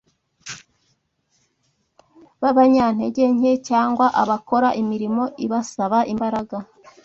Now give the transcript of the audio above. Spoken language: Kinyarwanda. b’abanyantege nke cyangwa abakora imirimo ibasaba imbaraga